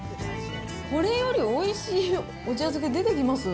これよりおいしいお茶漬け出てきます？